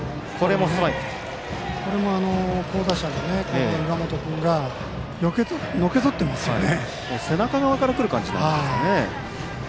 これも好打者の岩本君がのけぞってますよね。